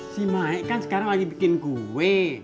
si maik kan sekarang lagi bikin kue